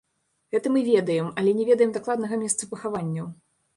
Гэта мы ведаем, але не ведаем дакладнага месца пахаванняў.